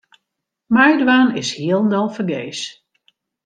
Meidwaan is hielendal fergees.